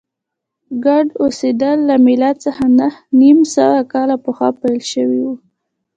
ګډ اوسېدل له میلاد څخه نهه نیم سوه کاله پخوا پیل شوي و